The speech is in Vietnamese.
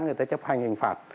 người ta chấp hành hình phạt